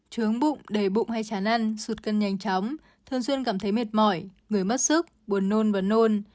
trướng bụng đầy bụng hay chán ăn sụt cân nhanh chóng thường xuyên cảm thấy mệt mỏi người mất sức buồn nôn và nôn